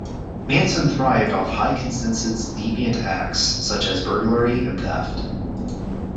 Manson thrived off of high-consensus deviant acts such as burglary and theft.